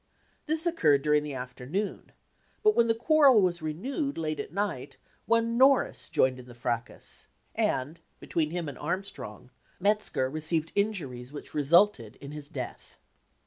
This occurred during the afternoon; but when the quarrel was renewed late at night, one Norris joined in the fracas, and, between him and Armstrong, Metzker received injuries which resulted in his death.